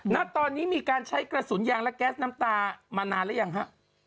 ณตอนนี้มีการใช้กระสุนยางและแก๊สน้ำตามานานหรือยังฮะ